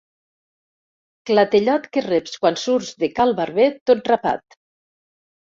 Clatellot que reps quan surts de cal barber tot rapat.